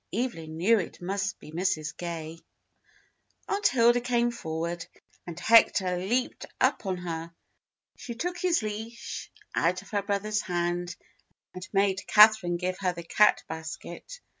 Evelyn knew it must be Mrs. Gay. Aunt Hilda came forward, and Hector leaped up on her; she took his leash out of her brother's hand and made Catherine give her the cat basket.